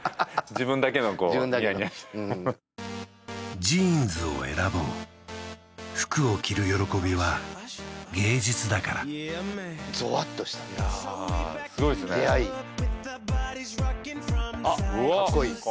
自分だけのこう自分だけのニヤニヤしてジーンズを選ぼう服を着る喜びは芸術だからゾワっとしたねいやすごいですね出会いあっカッコいいうわ